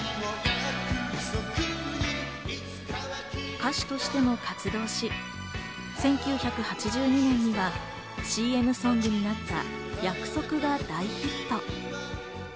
歌手としても活動し、１９８２年にはＣＭソングになった『約束』が大ヒット。